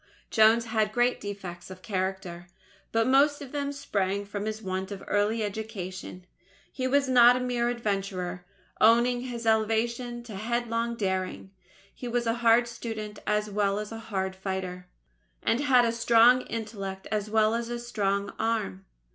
Jones had great defects of character; but most of them sprang from his want of early education. He was not a mere adventurer owing his elevation to headlong daring he was a hard student as well as a hard fighter, and had a strong intellect as well as strong arm.